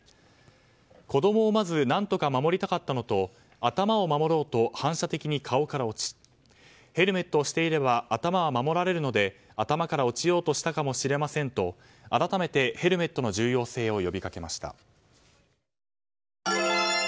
子供をまず何とか守りたかったのと頭を守ろうと反射的に顔から落ちヘルメットをしていれば頭は守られるので頭から落ちようとしたのかもしれませんと改めてヘルメットの重要性を呼びかけました。